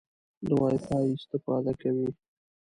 د وای فای استفاده کوئ؟